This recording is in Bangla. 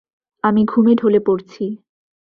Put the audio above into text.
আমি ঘুমে ঢলে পড়ছি।